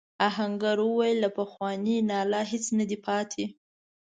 آهنګر وویل له پخواني ناله هیڅ نه دی پاتې.